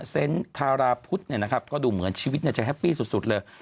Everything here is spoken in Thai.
ทาราพุทธก็ดูเหมือนชีวิตจะแฮปปี้สุดเลย